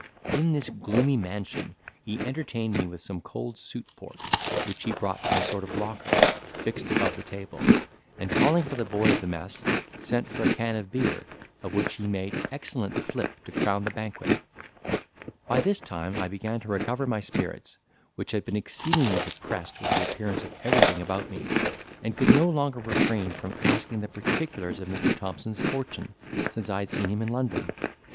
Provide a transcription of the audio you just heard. In this gloomy mansion he entertained me with some cold suit pork, which he brought from a sort of locker, fixed above the table: and calling for the boy of the mess, sent for a can of beer, of which he made excellent flip to crown the banquet. By this time I began to recover my spirits, which had been exceedingly depressed with the appearance of everything about me, and could no longer refrain from asking the particulars of Mr. Thompson's fortune since I had seen him in London.